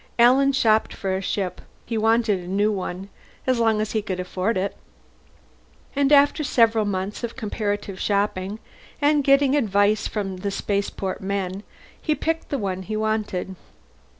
Alan shopped for a ship he wanted a new one, as long as he could afford it and after several months of comparative shopping and getting advice from spaceport men, he picked the one he wanted.